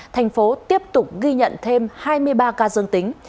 thành phố tiếp tục ghi nhận thêm hai mươi ba ca dương tính